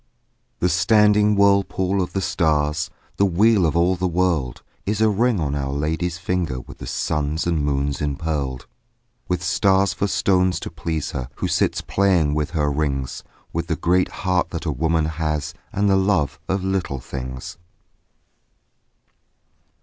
The standing whirlpool of the stars, The wheel of all the world, Is a ring on Our Lady's finger With the suns and moons empearled With stars for stones to please her Who sits playing with her rings With the great heart that a woman has And the love of little things.